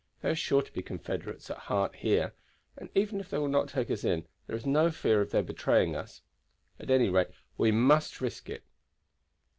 They are sure to be Confederates at heart here, and even if they will not take us in, there is no fear of their betraying us; at any rate we must risk it."